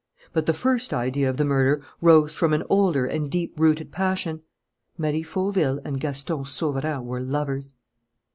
But the first idea of the murder rose from an older and deep rooted passion: Marie Fauville and Gaston Sauverand were lovers.